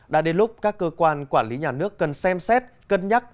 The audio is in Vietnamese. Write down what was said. đã đến lúc các cơ quan quản lý nhà nước cần xem xét cân nhắc